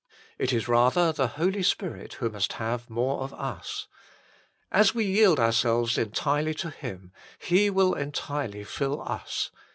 It is rather the Holy Spirit who must have more of us. As we yield ourselves entirely to Him He will entirely fill us.